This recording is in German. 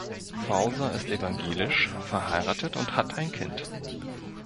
Fauser ist evangelisch, verheiratet und hat ein Kind.